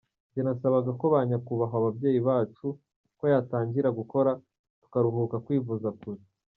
Njye nasabaga ko ba nyakubahwa babyeyi bacu ko yatangira gukora tukaruhuka kwivuza kure.